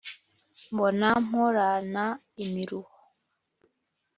mbona mporana imiruho